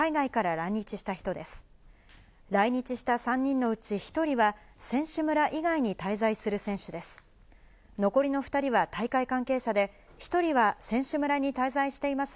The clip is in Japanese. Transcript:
来日した３人のうち１人は、選手村以外に滞在する選手です。